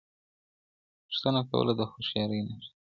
پوښتنه کول د هوښیارۍ نښه ده.